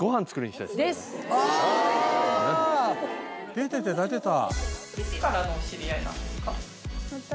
出てた出てた。